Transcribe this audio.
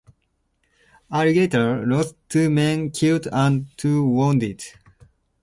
"Alligator" lost two men killed and two wounded.